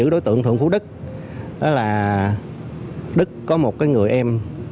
đức có một người em